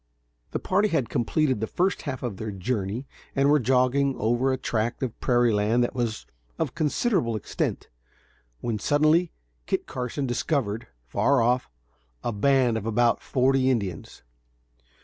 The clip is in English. The party had completed the first half of their journey, and were jogging along over a tract of prairie land that was of considerable extent, when suddenly, Kit Carson discovered, far off, a band of about forty Indians.